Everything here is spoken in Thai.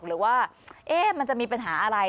หรือว่ามันจะมีปัญหาอะไร